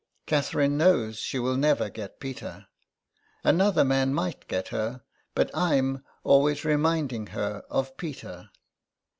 Catherine knows she will never get Peter. Another man might get her, but Fm always reminding her of Peter."